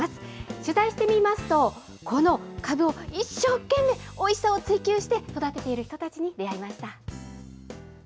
取材してみますと、このかぶを一生懸命おいしさを追求して育てている人たちに出会いました。